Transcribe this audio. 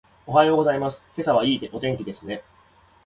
おはようございます。今朝はいいお天気ですね。